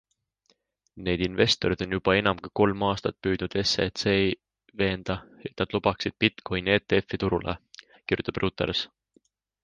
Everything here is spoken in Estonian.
Need investorid on juba enam kui kolm aastat püüdnud SECi veenda, et nad lubaksid bitcoini ETFi turule, kirjutab Reuters.